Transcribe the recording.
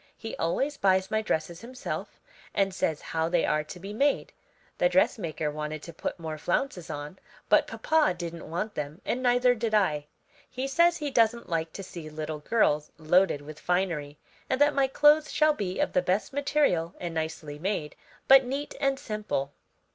He always buys my dresses himself and says how they are to be made. The dressmaker wanted to put more flounces on, but papa didn't want them and neither did I. He says he doesn't like to see little girls loaded with finery, and that my clothes shall be of the best material and nicely made, but neat and simple."